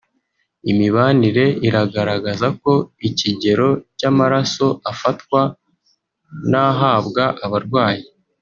Imibare iragaragaza ko ikigero cy’amaraso afatwa n’ahabwa abarwayi